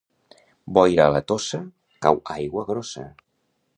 Boira a la Tossa, cau aigua grossa.